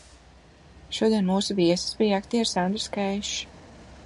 Šodien mūsu viesis bija aktieris Andris Keišs.